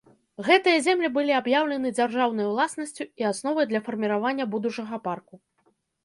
Гэтыя землі былі аб'яўлены дзяржаўнай уласнасцю і асновай для фарміравання будучага парку.